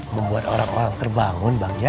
membuat orang orang terbangun bang ya